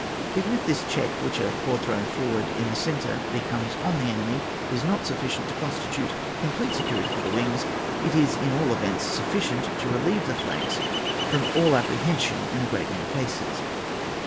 Even if this check whicli a corps thrown forward in the centre imposes on the enemy is not sufficient to constitute complete security for the wings, it is at all events sufficient to relieve the flanks ^m all apprehension in a great many cases.